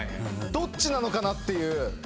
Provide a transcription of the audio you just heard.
どっちなのかなっていう。